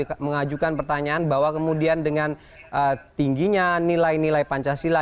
mereka mengajukan pertanyaan bahwa kemudian dengan tingginya nilai nilai pancasila